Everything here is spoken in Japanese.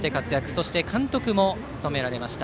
そして監督も務められました。